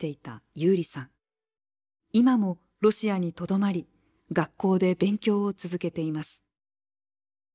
今もロシアにとどまり学校で勉強を続けています。